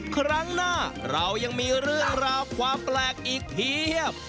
ครั้งหน้าเรายังมีเรื่องราวความแปลกอีกเพียบ